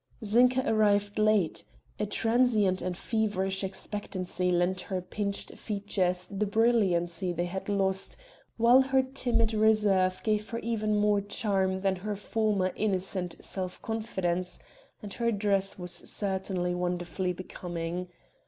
Zinka arrived late. A transient and feverish expectancy lent her pinched features the brilliancy they had lost while her timid reserve gave her even more charm than her former innocent self confidence, and her dress was certainly wonderfully becoming.